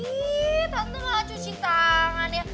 ih tante gak cuci tangan ya